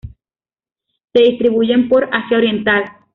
Se distribuyen por Asia oriental.